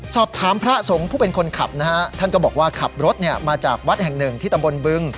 พระสงฆ์ผู้เป็นคนขับนะฮะท่านก็บอกว่าขับรถมาจากวัดแห่งหนึ่งที่ตำบลบึง